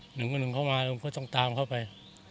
หนึ่งก็หนึ่งเข้ามาผมก็ต้องตามเข้าไป